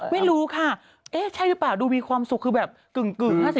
ไม่รู้ค่ะเอ๊ะใช่หรือเปล่าดูมีความสุขคือแบบกึ่ง๕๐